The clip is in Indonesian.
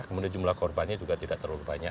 kemudian jumlah korbannya juga tidak terlalu banyak